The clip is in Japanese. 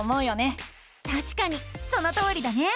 たしかにそのとおりだね！